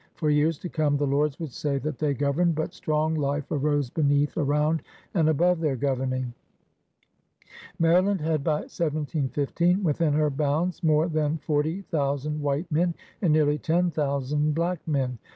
For years to come the lords would say that they governed, but strong life arose beneath, around, and above their governing. Maryland had by 1715 within her bounds more than forty thousand white men and nearly ten thousand black men.